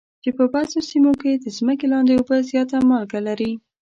چې په بعضو سیمو کې د ځمکې لاندې اوبه زیاته مالګه لري.